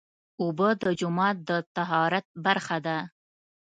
اوبه د جومات د طهارت برخه ده.